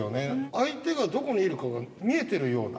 相手がどこにいるかが見えているような。